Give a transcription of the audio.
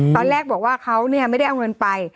ตอนแรกบอกว่าเขาไม่ได้เอาเงินไป